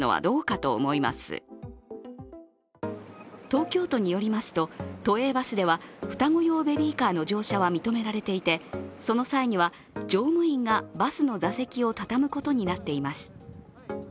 東京都によりますと都営バスでは双子用ベビーカーの乗車は認められていてその際には乗務員がバスの座席を畳むことになっています。